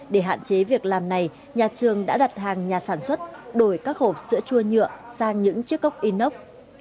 để hạn chế việc làm này nhà trường đã đặt hàng nhà sản xuất đổi các hộp sữa chua nhựa sang những chiếc cốc inox